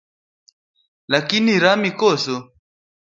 Laki rami koso?